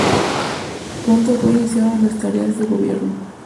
Pronto fue iniciado en las tareas de gobierno.